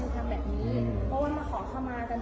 คุณผิดไม่เคยเห็นใครทำแบบนี้